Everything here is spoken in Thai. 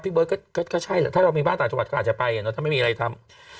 เบิร์ตก็ใช่แหละถ้าเรามีบ้านต่างจังหวัดก็อาจจะไปถ้าไม่มีอะไรทำ